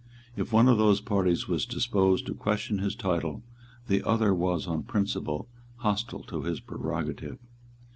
If one of those parties was disposed to question his title, the other was on principle hostile to his prerogative.